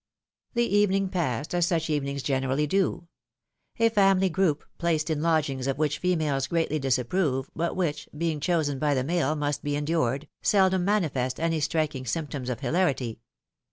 The evening passed, as such evenings generally do. A family group placed in lodgings of which females greatly dis approve, but which, being chosen by the male, must be endured, seldom manifest any striking symptoms of hilarity.